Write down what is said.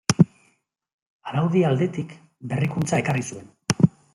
Araudi aldetik berrikuntza ekarri zuen.